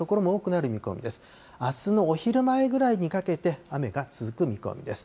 あすのお昼前ぐらいにかけて、雨が続く見込みです。